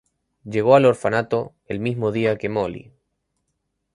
Llegó al orfanato el mismo día que Molly.